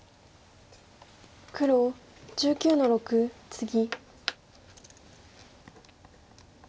黒１９の六ツギ。